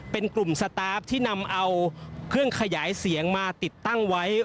เป็นกลุ่มสตาร์ฟที่นำเอาเครื่องขยายเสียงมาติดตั้งไว้